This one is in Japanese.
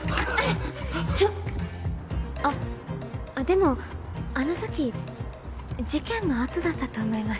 ちょっあでもあのとき事件の後だったと思います。